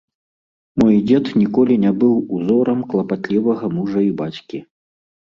Мой дзед ніколі не быў узорам клапатлівага мужа і бацькі.